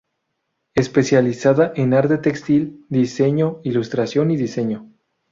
Especializada en arte textil, diseño, ilustración y diseño.